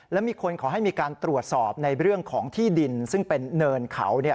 และมีคนขอให้มีการตรวจสอบในเรื่องของที่ดินซึ่งเป็นเนินเขา